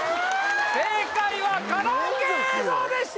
正解はカラオケ映像でした！